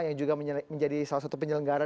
yang juga menjadi salah satu penyelenggara